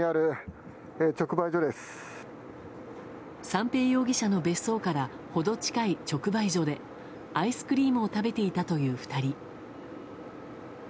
三瓶容疑者の別荘から程近い直売所でアイスクリームを食べていたという２人。